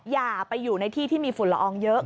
อย่าไปอยู่ในที่ที่มีฝุ่นละอองเยอะ